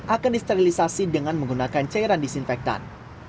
akan disterilisasi dengan menggunakan cairan disinfektan